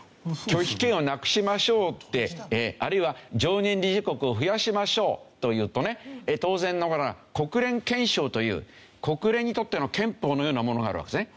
拒否権をなくしましょうってあるいは常任理事国を増やしましょうというとね当然ながら国連憲章という国連にとっての憲法のようなものがあるわけですね。